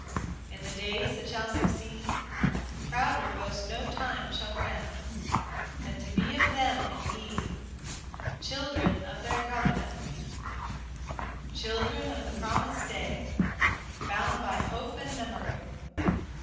In the days that shall succeed, Prouder boast no time shall grant Than to be of them, indeed, Children of their Covenant : Children of the promised day, Bound by hope and memory.